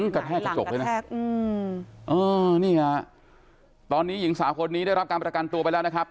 กระแทกกระจกเลยนะตอนนี้หญิงสาวคนนี้ได้รับการประกันตัวไปแล้วนะครับ